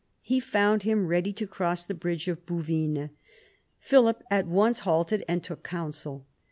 He found him ready to cross the bridge of Bouvines. Philip at once halted and took counsel.